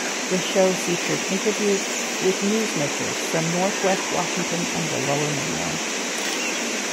The show featured interviews with newsmakers from Northwest Washington and the Lower Mainland.